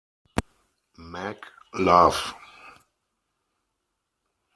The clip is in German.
Mag Love.